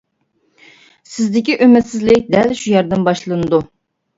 سىزدىكى ئۈمىدسىزلىك دەل شۇ يەردىن باشلىنىدۇ.